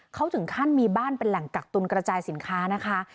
เขาถึงขั้นมีบ้านเป็นแหล่งกักตุลกระจายสินค้านะคะ